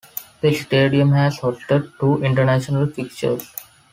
The stadium has hosted two international fixtures.